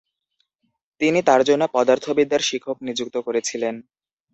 তিনি তাঁর জন্য “পদার্থবিদ্যার শিক্ষক” নিযুক্ত করেছিলেন।